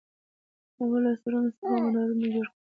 هغه له سرونو څخه منارونه جوړ کړل.